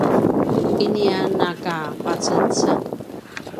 iniananka pacengceng!